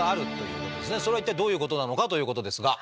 それは一体どういうことなのかということですが。